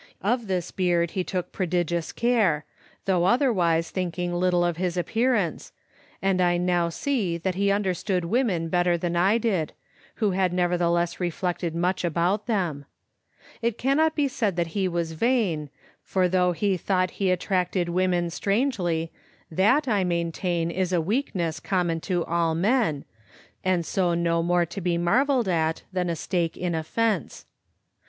Of this beard he took prodigious care, though otherwise thinking little of his appearance, and I now see that he understood women better than I did, who had neverthe less reflected much about them. It cannot be said that he was vain, for though he thought he attracted women strangely, that, I maintain, is a weakness common to all men, and so no more to be marvelled at than a stake in a fence.